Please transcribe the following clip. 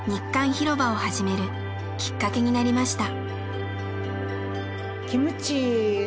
ひろばを始めるきっかけになりました。